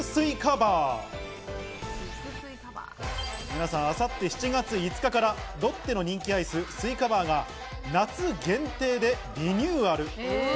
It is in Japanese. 皆さん、明後日７月５日からロッテの人気アイス・スイカバーが夏限定でリニューアル！